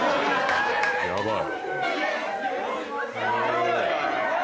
やばい。